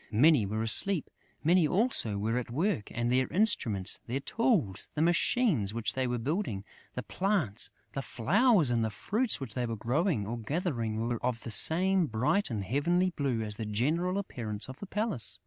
Many were asleep; many also were at work; and their instruments, their tools, the machines which they were building, the plants, the flowers and the fruits which they were growing or gathering were of the same bright and heavenly blue as the general appearance of the palace.